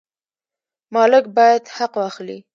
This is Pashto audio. مالک باید حق واخلي.